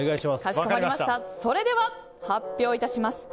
それでは発表いたします。